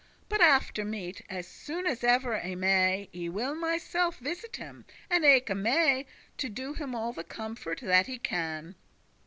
But after meat, as soon as ever I may I will myself visit him, and eke May, To do him all the comfort that I can."